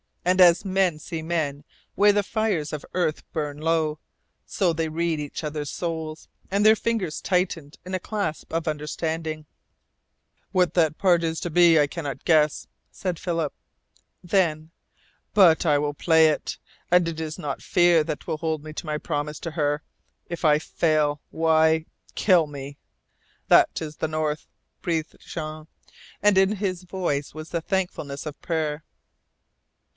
And as men see men where the fires of the earth burn low, so they read each other's souls, and their fingers tightened in a clasp of understanding. "What that part is to be I cannot guess," said Philip, then. "But I will play it, and it is not fear that will hold me to my promise to her. If I fail, why kill me!" "That is the North," breathed Jean, and in his voice was the thankfulness of prayer.